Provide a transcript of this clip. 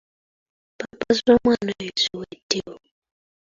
Ppampa z'omwana oyo ziweddewo.